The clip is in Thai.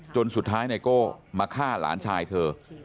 จนสุดท้ายไนโก้มาฆ่าหลานชายเธอ